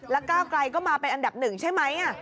ก้าวไกลก็มาเป็นอันดับหนึ่งใช่ไหม